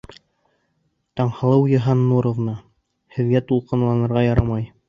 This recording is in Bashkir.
Таңһылыу Йыһаннуровна, һеҙгә тулҡынланырға ярамай.